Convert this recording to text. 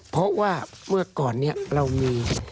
เพราะว่าเมื่อก่อนนี้เรามี